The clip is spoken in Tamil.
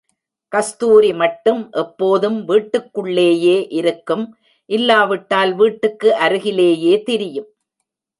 கஸ்தூரிமட்டும் எப்போதும் வீட்டுக்குள்ளேயே இருக்கும், இல்லாவிட்டால் வீட்டுக்கு அருகிலேயே திரியும்.